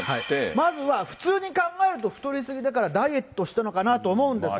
まずは普通に考えると、太りすぎだからダイエットしたのかなと思うんですが。